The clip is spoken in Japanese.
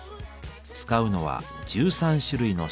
使うのは１３種類のスパイス。